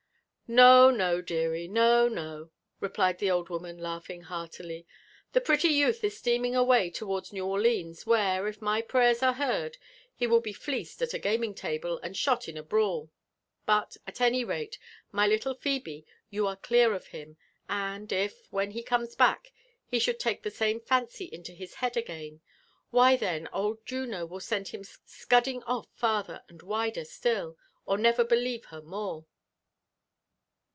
No, no, deary — no, no," replied the old woman laughing heartily : '*thc pretty youth is steaming away towards New Orleans, where, if my prayers are heard, he will be fleeced at a gaming table and shot in a brawl. But, at any rate, my little Phebe, you are clear of him : and if, when he comes back, he should take the same fancy into his head again, why then old Juno will send him scudding off farther and wider slid — or never believe her more."